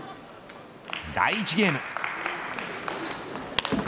第１ゲーム。